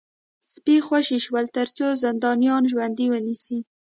سپي خوشي شول ترڅو زندانیان ژوندي ونیسي